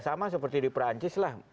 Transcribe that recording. sama seperti di perancis lah